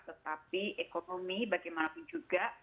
tetapi ekonomi bagaimanapun juga